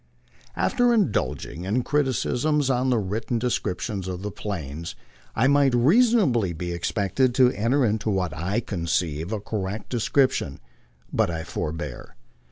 After indulging in criticisms on the written descriptions of the Plains, I might reasonably be expected to enter into what I conceive a correct descrip tion, but I forbear.